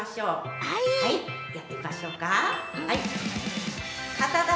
はい、やってみましょうか。